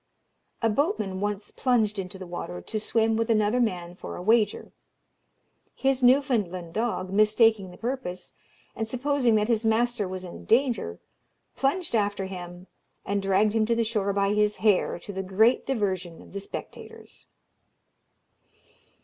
A boatman once plunged into the water to swim with another man for a wager. His Newfoundland dog, mistaking the purpose, and supposing that his master was in danger, plunged after him, and dragged him to the shore by his hair, to the great diversion of the spectators.